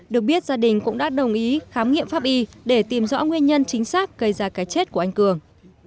được biết gia đình cũng đã đồng ý khám nghiệm pháp y để tìm rõ nguyên nhân chính xác gây ra cái chết của anh cường